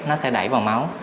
nó sẽ đẩy vào máu